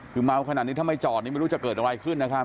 คือเมาขนาดนี้ถ้าไม่จอดนี่ไม่รู้จะเกิดอะไรขึ้นนะครับ